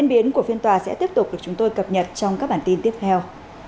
điều tra sẽ tiếp tục được chúng tôi cập nhật trong các bản tin tiếp theo